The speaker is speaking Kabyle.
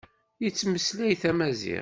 Yettmeslay tamaziɣt?